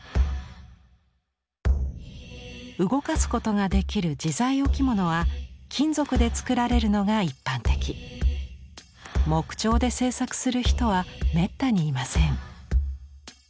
動かすことができる自在置物は金属で作られるのが一般的木彫で制作する人はめったにいません。